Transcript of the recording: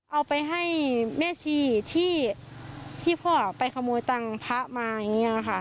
เอาไปให้แม่ชีที่พ่อไปขโมยตังค์พระมาอย่างนี้ค่ะ